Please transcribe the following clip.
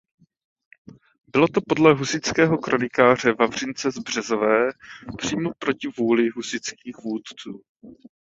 Bylo to podle husitského kronikáře Vavřince z Březové přímo proti vůli husitských vůdců.